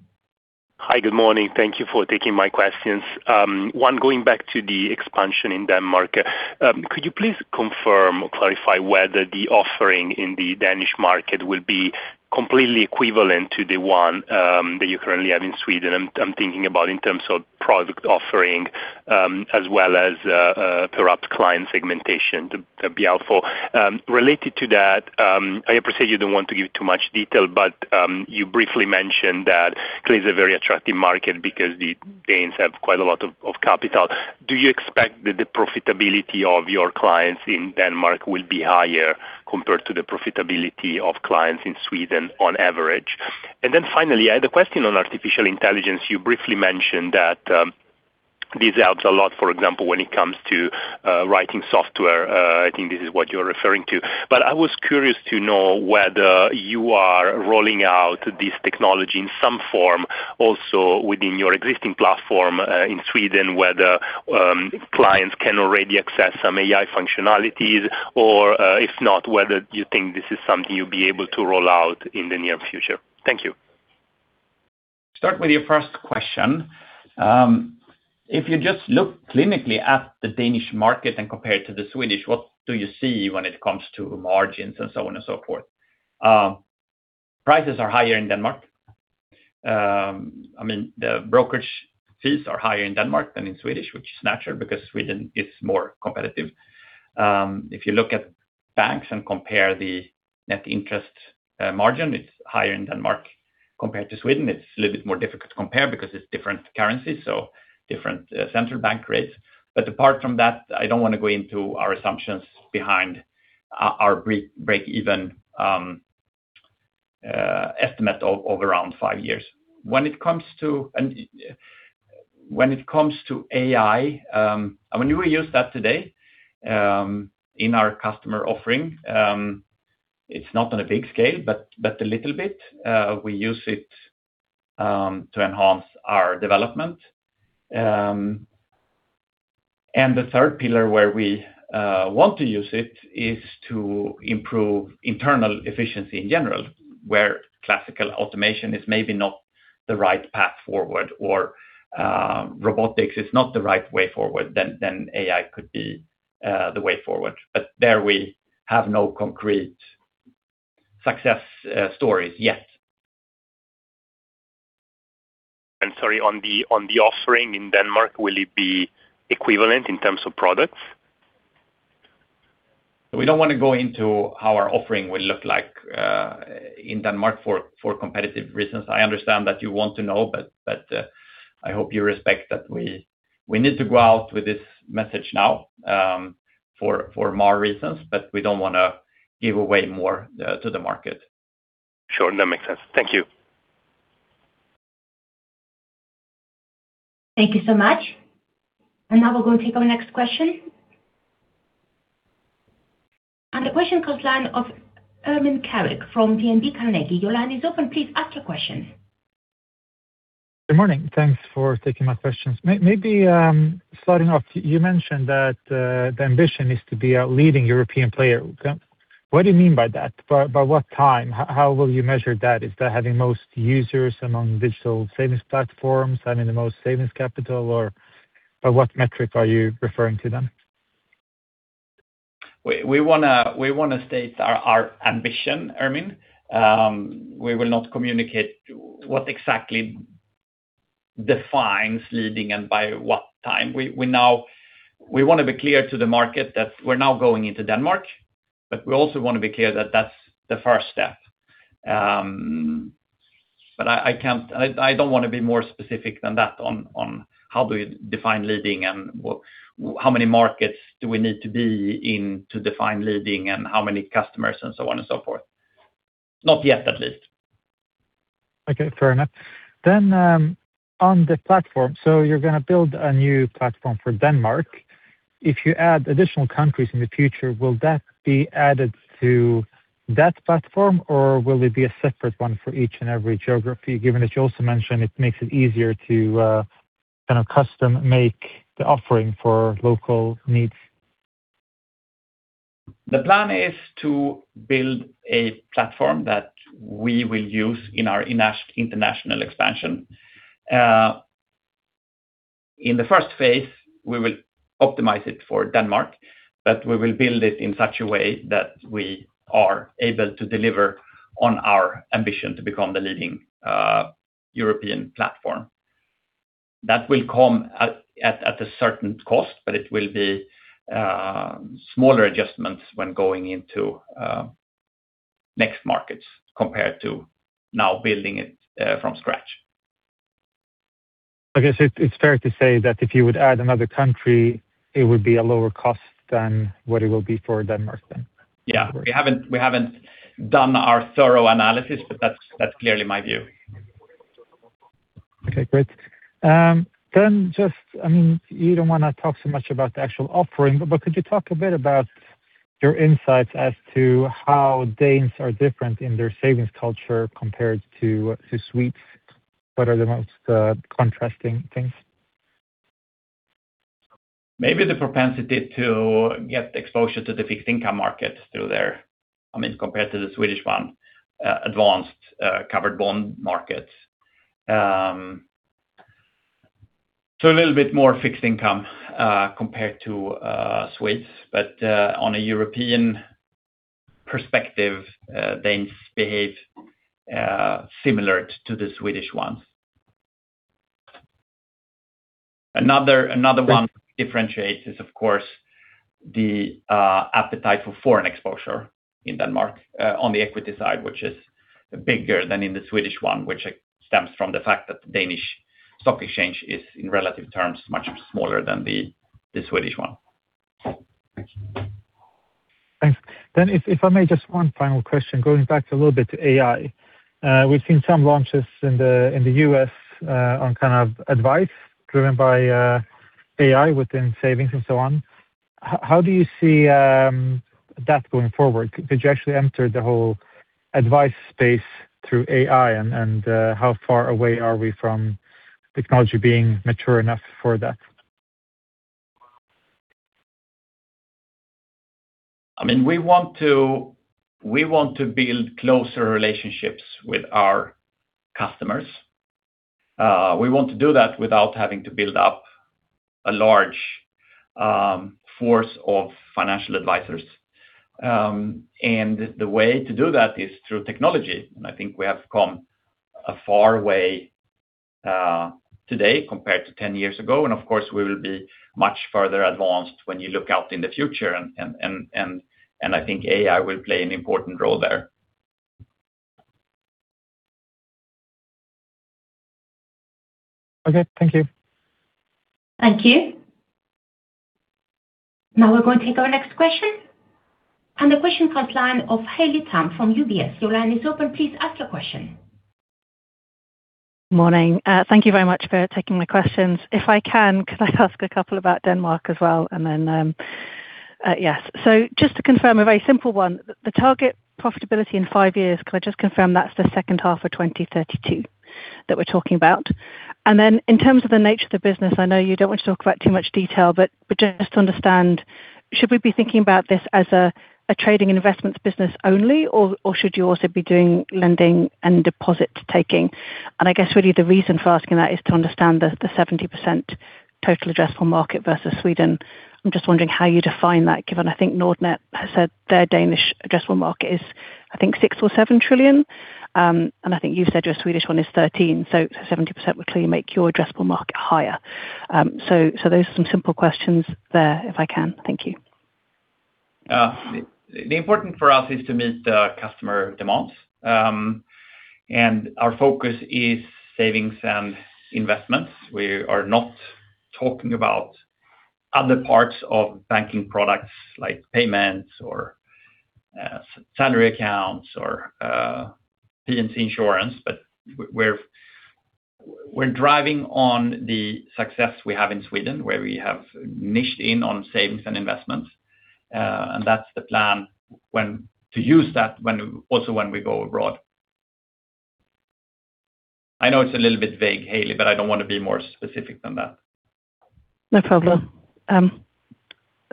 Hi. Good morning. Thank you for taking my questions. One, going back to the expansion in Denmark, could you please confirm or clarify whether the offering in the Danish market will be completely equivalent to the one that you currently have in Sweden? I'm thinking about in terms of product offering as well as perhaps client segmentation to be offered. Related to that, I appreciate you don't want to give too much detail, but you briefly mentioned that clearly it's a very attractive market because the Danes have quite a lot of capital. Do you expect that the profitability of your clients in Denmark will be higher compared to the profitability of clients in Sweden on average? Finally, I had a question on artificial intelligence. You briefly mentioned that this helps a lot for example, when it comes to writing software. I think this is what you're referring to. I was curious to know whether you are rolling out this technology in some form also within your existing platform in Sweden, whether clients can already access some AI functionalities or if not, whether you think this is something you'll be able to roll out in the near future. Thank you. Start with your first question. If you just look clinically at the Danish market and compare it to the Swedish, what do you see when it comes to margins and so on and so forth? Prices are higher in Denmark. The brokerage fees are higher in Denmark than in Sweden, which is natural because Sweden is more competitive. If you look at banks and compare the net interest margin, it's higher in Denmark compared to Sweden. It's a little bit more difficult to compare because it's different currencies, so different central bank rates. Apart from that, I don't want to go into our assumptions behind our break-even estimate of around five years. When it comes to AI, we use that today in our customer offering. It's not on a big scale, but a little bit. We use it to enhance our development. The third pillar where we want to use it is to improve internal efficiency in general, where classical automation is maybe not the right path forward or robotics is not the right way forward, then AI could be the way forward. There we have no concrete success stories yet. Sorry, on the offering in Denmark, will it be equivalent in terms of products? We don't want to go into how our offering will look like in Denmark for competitive reasons. I understand that you want to know, but I hope you respect that we need to go out with this message now for more reasons, but we don't want to give away more to the market. Sure. No, makes sense. Thank you. Thank you so much. Now we're going to take our next question. The question comes from the line of Ermin Kerić from DNB Carnegie. Your line is open. Please ask your question. Good morning. Thanks for taking my questions. Maybe starting off, you mentioned that the ambition is to be a leading European player. What do you mean by that? By what time? How will you measure that? Is that having most users among digital savings platforms, having the most savings capital, or by what metric are you referring to then? We want to state our ambition, Ermin. We will not communicate what exactly defines leading and by what time. We want to be clear to the market that we're now going into Denmark, but we also want to be clear that that's the first step. I don't want to be more specific than that on how do we define leading and how many markets do we need to be in to define leading and how many customers and so on and so forth. Not yet, at least. Okay, fair enough. On the platform. You're going to build a new platform for Denmark. If you add additional countries in the future, will that be added to that platform or will it be a separate one for each and every geography, given that you also mentioned it makes it easier to kind of custom make the offering for local needs? The plan is to build a platform that we will use in our international expansion. In the first phase, we will optimize it for Denmark, but we will build it in such a way that we are able to deliver on our ambition to become the leading European platform. That will come at a certain cost, but it will be smaller adjustments when going into next markets compared to now building it from scratch. I guess it's fair to say that if you would add another country, it would be a lower cost than what it will be for Denmark then. Yeah. We haven't done our thorough analysis, but that's clearly my view. Okay, great. You don't want to talk so much about the actual offering, but could you talk a bit about your insights as to how Danes are different in their savings culture compared to Swedes? What are the most contrasting things? Maybe the propensity to get exposure to the fixed income markets through their, compared to the Swedish one, advanced covered bond markets. A little bit more fixed income, compared to Swedes. On a European perspective, Danes behave similar to the Swedish ones. Another differentiator is, of course, the appetite for foreign exposure in Denmark on the equity side, which is bigger than in the Swedish one, which stems from the fact that the Danish stock exchange is, in relative terms, much smaller than the Swedish one. Thanks. If I may, just one final question, going back a little bit to AI. We've seen some launches in the U.S. on advice driven by AI within savings and so on. How do you see that going forward? Could you actually enter the whole advice space through AI? And how far away are we from technology being mature enough for that? We want to build closer relationships with our customers. We want to do that without having to build up a large force of financial advisors. The way to do that is through technology. I think we have come a far way today compared to 10 years ago. Of course, we will be much further advanced when you look out in the future, and I think AI will play an important role there. Okay, thank you. Thank you. Now we're going to take our next question. The question comes from the line of Haley Tam from UBS. Your line is open. Please ask your question. Morning. Thank you very much for taking my questions. If I can, could I ask a couple about Denmark as well? Just to confirm a very simple one, the target profitability in five years, could I just confirm that's the second half of 2032 that we're talking about? In terms of the nature of the business, I know you don't want to talk about too much detail, but just to understand, should we be thinking about this as a trading investments business only, or should you also be doing lending and deposit taking? I guess really the reason for asking that is to understand the 70% total addressable market versus Sweden. I'm just wondering how you define that, given I think Nordnet has said their Danish addressable market is, I think 6 or 7 trillion, and I think you've said your Swedish one is 13 trillion, so 70% would clearly make your addressable market higher. Those are some simple questions there if I can. Thank you. The important for us is to meet the customer demands. Our focus is savings and investments. We are not talking about other parts of banking products like payments or salary accounts or P&C insurance. We're building on the success we have in Sweden, where we have niched in on savings and investments. That's the plan to use that also when we go abroad. I know it's a little bit vague, Haley, but I don't want to be more specific than that. No problem.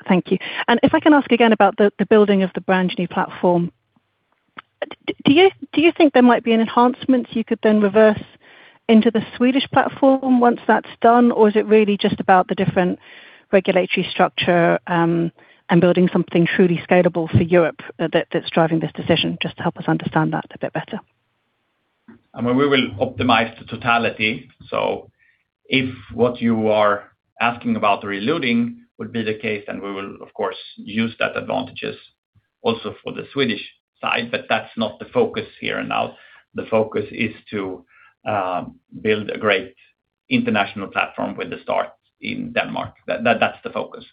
Thank you. If I can ask again about the building of the brand new platform. Do you think there might be any enhancements you could then reverse into the Swedish platform once that's done? Or is it really just about the different regulatory structure, and building something truly scalable for Europe, that's driving this decision? Just to help us understand that a bit better. We will optimize the totality. If what you are asking about the reloading would be the case, then we will of course use that advantages also for the Swedish side. That's not the focus here and now. The focus is to build a great international platform with the start in Denmark. That's the focus.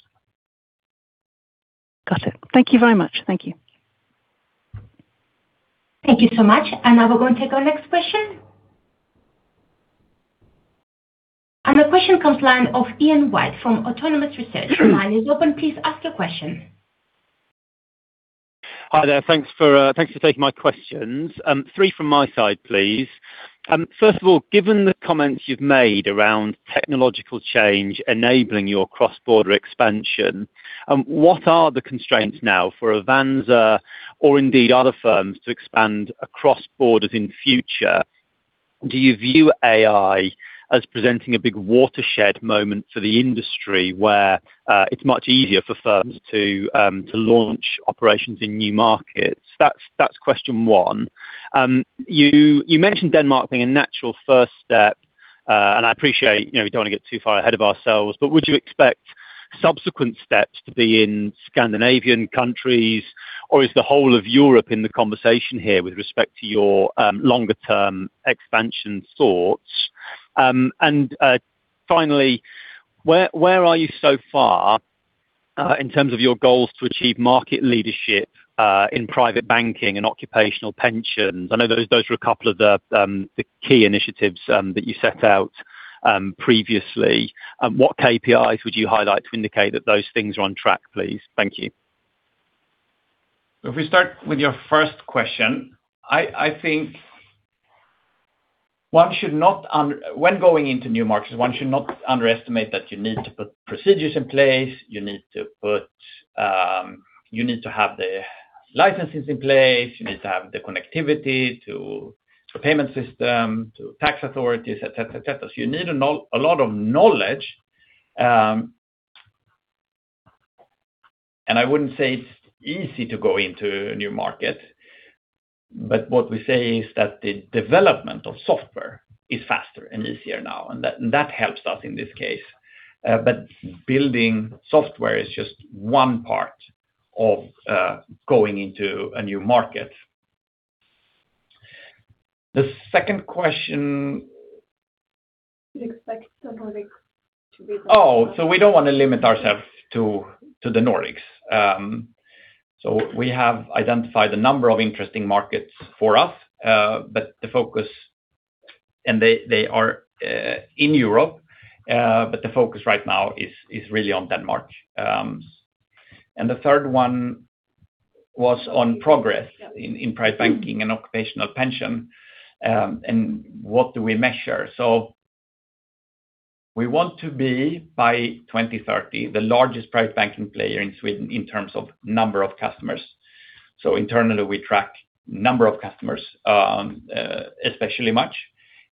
Got it. Thank you very much. Thank you. Thank you so much. Now we're going to take our next question. The question comes from the line of Ian White from Autonomous Research. Your line is open. Please ask your question. Hi there. Thanks for taking my questions. Three from my side, please. First of all, given the comments you've made around technological change enabling your cross-border expansion, what are the constraints now for Avanza or indeed other firms to expand across borders in future? Do you view AI as presenting a big watershed moment for the industry where it's much easier for firms to launch operations in new markets? That's question one. You mentioned Denmark being a natural first step. I appreciate you don't want to get too far ahead of ourselves, but would you expect subsequent steps to be in Scandinavian countries? Or is the whole of Europe in the conversation here with respect to your longer term expansion thoughts? Finally, where are you so far in terms of your goals to achieve market leadership, in Private Banking and occupational pensions? I know those were a couple of the key initiatives that you set out previously. What KPIs would you highlight to indicate that those things are on track, please? Thank you. If we start with your first question, I think when going into new markets, one should not underestimate that you need to put procedures in place. You need to have the licenses in place. You need to have the connectivity to payment system, to tax authorities, et cetera. You need a lot of knowledge. I wouldn't say it's easy to go into a new market, but what we say is that the development of software is faster and easier now, and that helps us in this case. Building software is just one part of going into a new market. The second question- You expect the Nordics to be. Oh, we don't want to limit ourselves to the Nordics. We have identified a number of interesting markets for us. They are in Europe. The focus right now is really on Denmark. The third one was on progress in Private Banking and occupational pension. What do we measure? We want to be, by 2030, the largest Private Banking player in Sweden in terms of number of customers. Internally, we track number of customers especially much.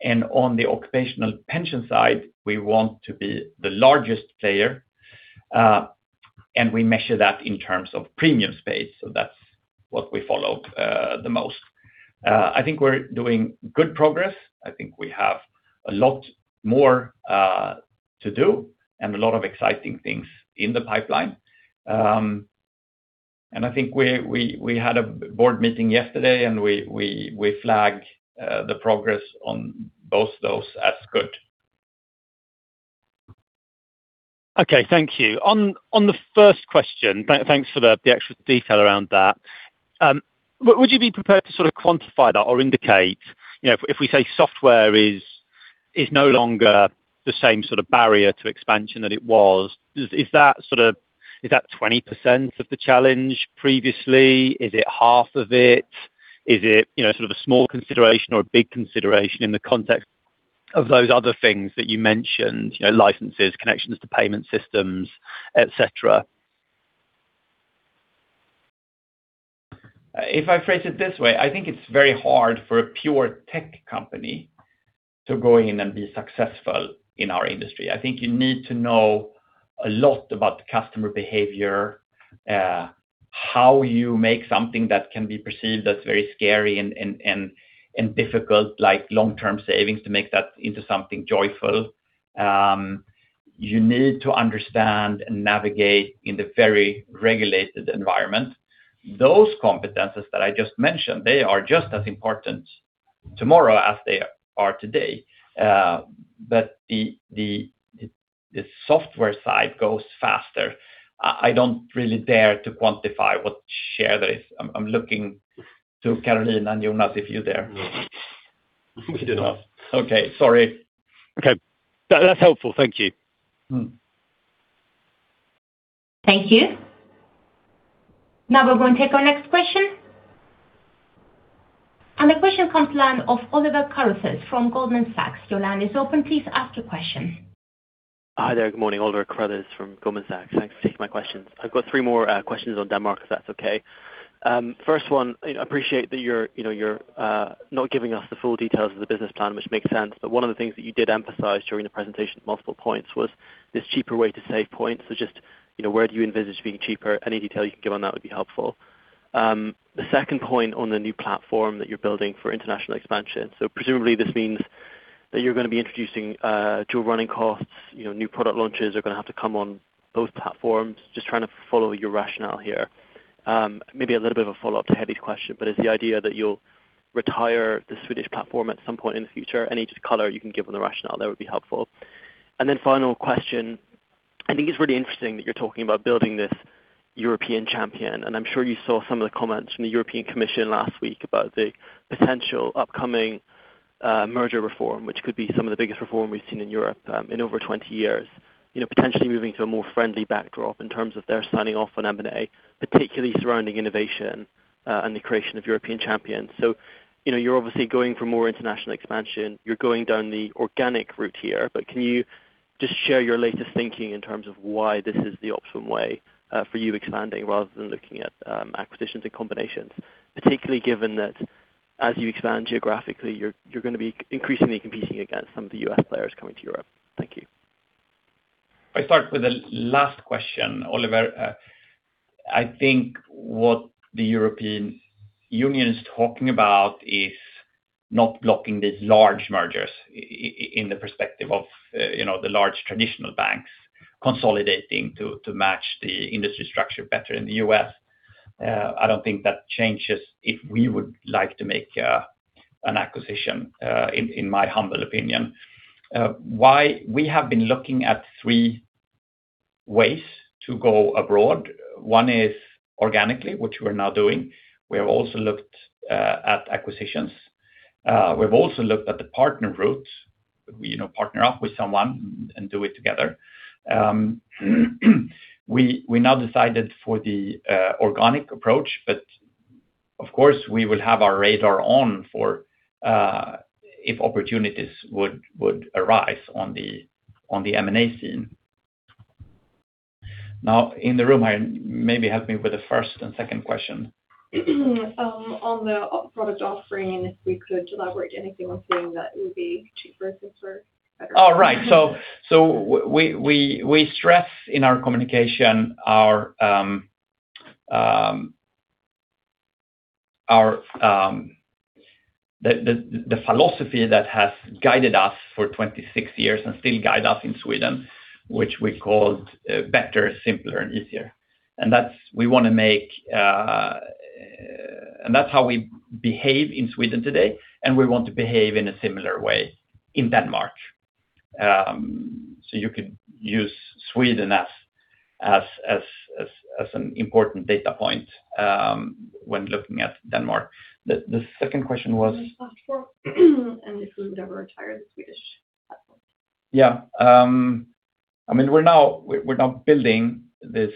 On the occupational pension side, we want to be the largest player, and we measure that in terms of premium base. That's what we follow the most. I think we're doing good progress. I think we have a lot more to do and a lot of exciting things in the pipeline. I think we had a board meeting yesterday, and we flagged the progress on both those as good. Okay, thank you. On the first question, thanks for the extra detail around that. Would you be prepared to quantify that or indicate, if we say software is no longer the same sort of barrier to expansion that it was, is that 20% of the challenge previously? Is it half of it? Is it a small consideration or a big consideration in the context of those other things that you mentioned, licenses, connections to payment systems, et cetera? If I phrase it this way, I think it's very hard for a pure tech company to go in and be successful in our industry. I think you need to know a lot about customer behavior, how you make something that can be perceived as very scary and difficult, like long-term savings to make that into something joyful. You need to understand and navigate in the very regulated environment. Those competencies that I just mentioned, they are just as important tomorrow as they are today. The software side goes faster. I don't really dare to quantify what share that is. I'm looking to Karolina and Jonas if you're there. We do not. Okay, sorry. Okay. That's helpful. Thank you. Thank you. Now we're going to take our next question. The question comes from the line of Oliver Carruthers from Goldman Sachs. Your line is open. Please ask your question. Hi there. Good morning. Oliver Carruthers from Goldman Sachs. Thanks for taking my questions. I've got three more questions on Denmark, if that's okay. First one, I appreciate that you're not giving us the full details of the business plan, which makes sense, but one of the things that you did emphasize during the presentation at multiple points was this cheaper way to save points. Just, where do you envisage being cheaper? Any detail you can give on that would be helpful. The second point on the new platform that you're building for international expansion. Presumably this means that you're going to be introducing dual running costs, new product launches are going to have to come on both platforms. Just trying to follow your rationale here. Maybe a little bit of a follow-up to Haley's question, but is the idea that you'll retire the Swedish platform at some point in the future? Any just color you can give on the rationale there would be helpful. Then final question, I think it's really interesting that you're talking about building this European champion, and I'm sure you saw some of the comments from the European Commission last week about the potential upcoming merger reform, which could be some of the biggest reform we've seen in Europe in over 20 years. Potentially moving to a more friendly backdrop in terms of their signing off on M&A, particularly surrounding innovation and the creation of European champions. You're obviously going for more international expansion. You're going down the organic route here, but can you just share your latest thinking in terms of why this is the optimum way for you expanding rather than looking at acquisitions and combinations, particularly given that as you expand geographically, you're going to be increasingly competing against some of the U.S. players coming to Europe. Thank you. I start with the last question, Oliver. I think what the European Union is talking about is not blocking these large mergers in the perspective of the large traditional banks consolidating to match the industry structure better in the U.S. I don't think that changes if we would like to make an acquisition, in my humble opinion. Why we have been looking at three ways to go abroad. One is organically, which we're now doing. We have also looked at acquisitions. We've also looked at the partner route, partner up with someone and do it together. We now decided for the organic approach, but of course, we will have our radar on for if opportunities would arise on the M&A scene. Now, in the room, maybe help me with the first and second question. On the product offering, if we could elaborate anything we're seeing that would be cheaper, simpler, better. All right. We stress in our communication the philosophy that has guided us for 26 years and still guide us in Sweden, which we called better, simpler, and easier. That's how we behave in Sweden today, and we want to behave in a similar way in Denmark. You could use Sweden as an important data point when looking at Denmark. The second question was? The platform and if we would ever retire the Swedish platform. Yeah. We're now building this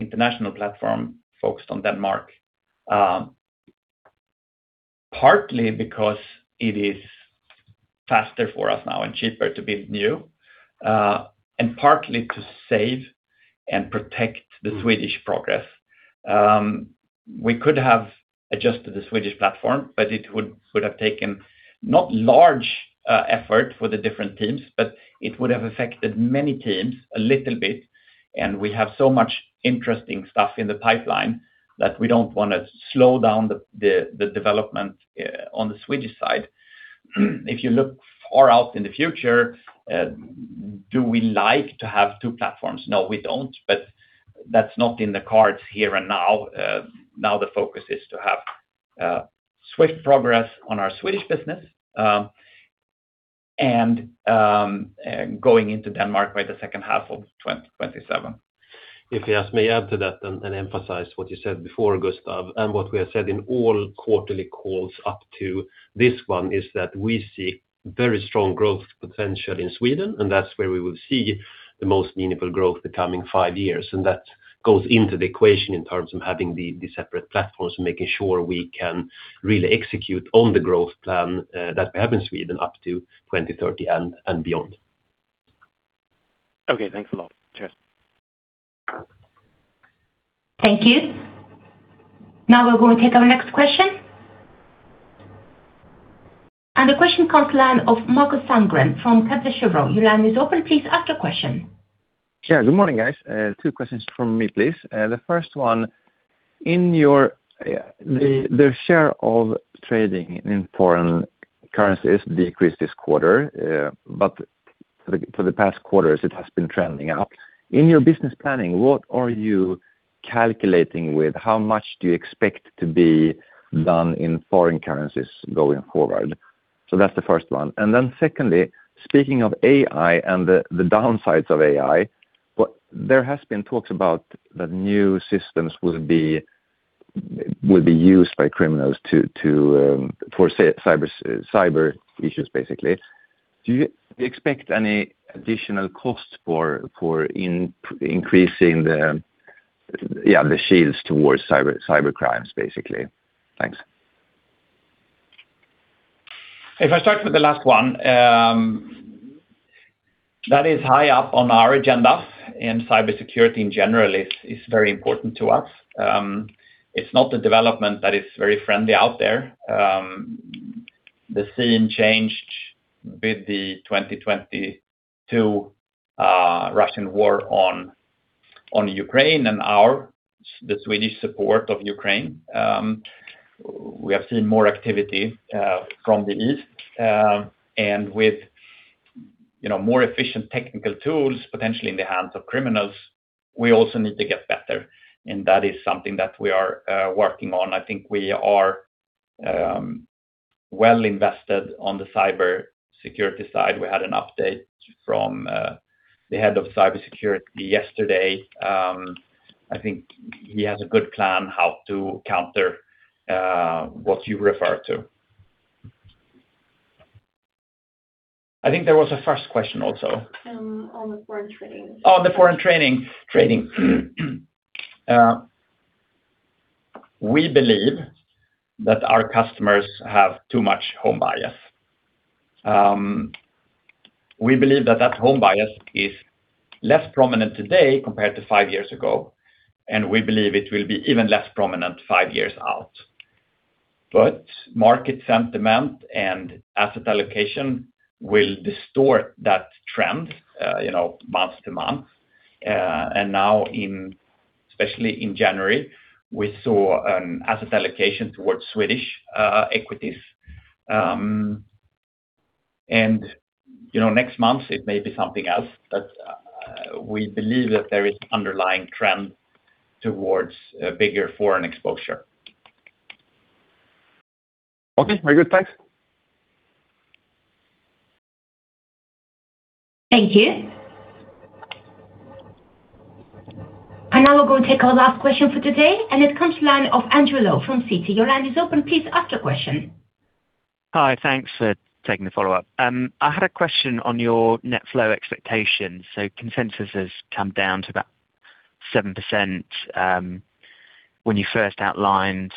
international platform focused on Denmark, partly because it is faster for us now and cheaper to build new, and partly to save and protect the Swedish progress. We could have adjusted the Swedish platform, but it would have taken not large effort for the different teams, but it would have affected many teams a little bit, and we have so much interesting stuff in the pipeline that we don't want to slow down the development on the Swedish side. If you look far out in the future. Do we like to have two platforms? No, we don't. That's not in the cards here and now. Now the focus is to have swift progress on our Swedish business, and going into Denmark by the second half of 2027. If I may add to that and emphasize what you said before, Gustaf, and what we have said in all quarterly calls up to this one is that we see very strong growth potential in Sweden, and that's where we will see the most meaningful growth the coming five years. That goes into the equation in terms of having the separate platforms and making sure we can really execute on the growth plan that we have in Sweden up to 2030 and beyond. Okay, thanks a lot. Cheers. Thank you. Now we're going to take our next question. The question comes from the line of Markus Sandgren from Kepler Cheuvreux. Your line is open. Please ask your question. Yeah, good morning, guys. Two questions from me, please. The first one, the share of trading in foreign currencies decreased this quarter, but for the past quarters it has been trending up. In your business planning, what are you calculating with? How much do you expect to be done in foreign currencies going forward? That's the first one. And then secondly, speaking of AI and the downsides of AI, there has been talks about the new systems will be used by criminals for cyber issues, basically. Do you expect any additional costs for increasing the shields towards cybercrimes, basically? Thanks. If I start with the last one, that is high up on our agenda, and cybersecurity in general is very important to us. It's not a development that is very friendly out there. The scene changed with the 2022 Russian war on Ukraine and the Swedish support of Ukraine. We have seen more activity from the East. With more efficient technical tools, potentially in the hands of criminals, we also need to get better, and that is something that we are working on. I think we are well invested on the cybersecurity side. We had an update from the head of cybersecurity yesterday. I think he has a good plan how to counter what you referred to. I think there was a first question also. On the foreign trading. On the foreign trading. We believe that our customers have too much home bias. We believe that home bias is less prominent today compared to five years ago, and we believe it will be even less prominent five years out. Market sentiment and asset allocation will distort that trend month to month. Now especially in January, we saw an asset allocation towards Swedish equities. Next month it may be something else, but we believe that there is underlying trend towards a bigger foreign exposure. Okay. Very good. Thanks. Thank you. Now we're going to take our last question for today, and it comes from the line of Andrew Lowe from Citi. Your line is open. Please ask your question. Hi. Thanks for taking the follow-up. I had a question on your net flow expectations. Consensus has come down to about 7%. When you first outlined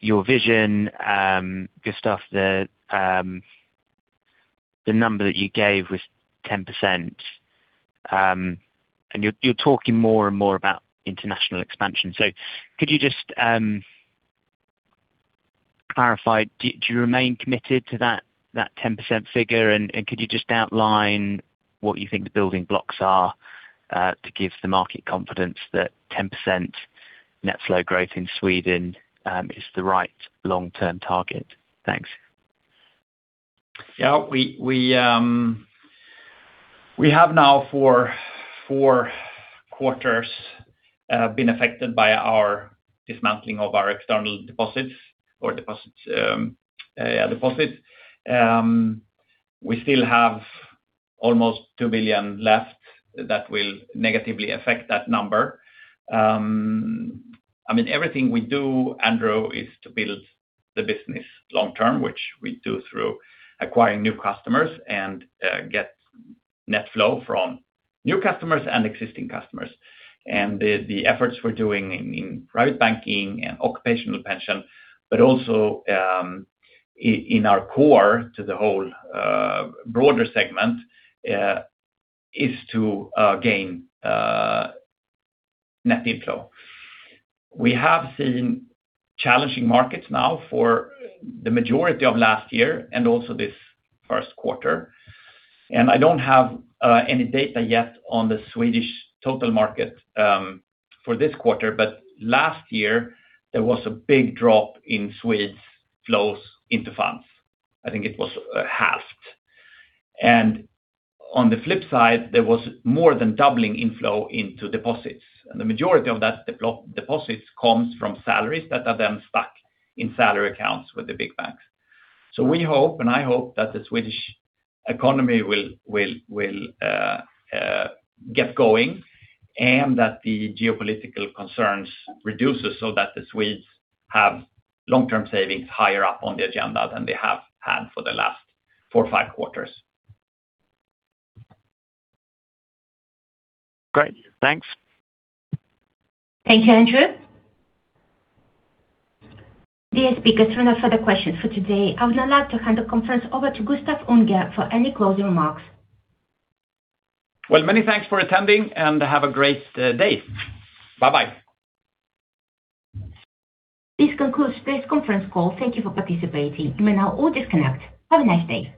your vision, Gustaf, the number that you gave was 10%. You're talking more and more about international expansion. Could you just clarify, do you remain committed to that 10% figure, and could you just outline what you think the building blocks are to give the market confidence that 10% net flow growth in Sweden is the right long-term target? Thanks. Yeah. We have now for four quarters, been affected by our dismantling of our external deposits. We still have almost 2 billion left that will negatively affect that number. Everything we do, Andrew, is to build the business long term, which we do through acquiring new customers and get net flow from new customers and existing customers. The efforts we're doing in Private Banking and occupational pension, but also in our core to the whole broader segment, is to gain net inflow. We have seen challenging markets now for the majority of last year and also this Q1. I don't have any data yet on the Swedish total market for this quarter. Last year there was a big drop in Swedish flows into funds. I think it was halved. On the flip side, there was more than doubling inflow into deposits. The majority of that deposits comes from salaries that are then stuck in salary accounts with the big banks. We hope, and I hope that the Swedish economy will get going and that the geopolitical concerns reduces so that the Swedes have long-term savings higher up on the agenda than they have had for the last four, five quarters. Great. Thanks. Thank you, Andrew. Dear speakers, there are no further questions for today. I would now like to hand the conference over to Gustaf Unger for any closing remarks. Well, many thanks for attending and have a great day. Bye-bye. This concludes today's conference call. Thank you for participating. You may now all disconnect. Have a nice day.